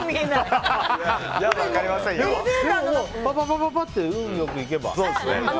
でも、パパパッて運良くいけば。